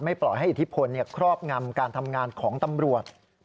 ปล่อยให้อิทธิพลครอบงำการทำงานของตำรวจ